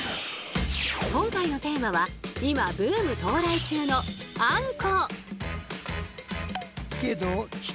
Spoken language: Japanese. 今回のテーマは今ブーム到来中の「あんこ」！